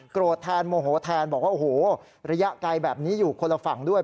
แทนโมโหแทนบอกว่าโอ้โหระยะไกลแบบนี้อยู่คนละฝั่งด้วย